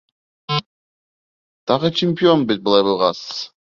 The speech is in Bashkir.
Тағы чемпион бит, былай булғас!